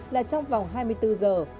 là trong vòng hai mươi bốn giờ